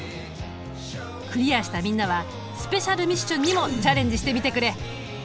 クリアしたみんなはスペシャルミッションにもチャレンジしてみてくれ。